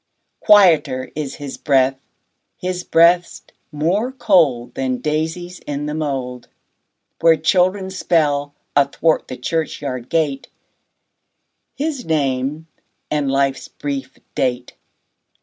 20 Quieter is his breath, his breast more cold Than daisies in the mould, Where children spell, athwart the churchyard gate, His name and life's brief date.